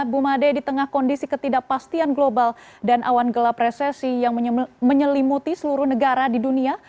bumade di tengah kondisi ketidakpastian global dan awan gelap resesi yang menyelimuti seluruh negara di dunia